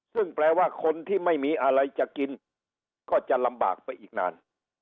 ซึ่งแปลว่าคนที่ไม่มีอะไรจะกินก็จะลำบากไปอีกนาน